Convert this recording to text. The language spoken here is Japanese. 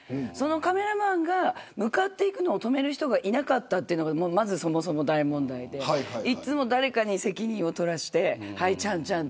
カメラマンが向かっていくのを止める人がいなかったというのがまず大問題でいつも誰かに責任を取らせてはい、ちゃんちゃん。